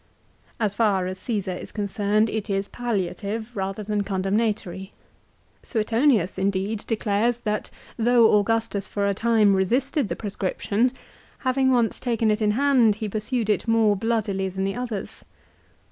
As far as Csesar is concerned it is palliative rather than condemnatory. Suetonius, indeed, declares that though Augustus for a time resisted the pro scription having once taken it in hand he pursued it more bloodily than the others.